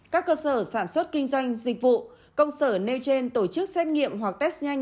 các cơ sở sản xuất kinh doanh dịch vụ công sở nêu trên tổ chức xét nghiệm hoặc test nhanh